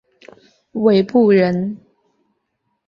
韦陟人。